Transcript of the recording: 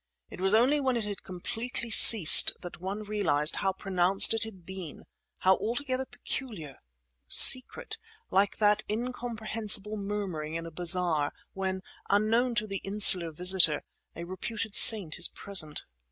It was only when it had completely ceased that one realized how pronounced it had been—how altogether peculiar, secret; like that incomprehensible murmuring in a bazaar when, unknown to the insular visitor, a reputed saint is present.